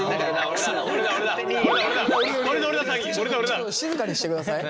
ちょっと静かにしてください。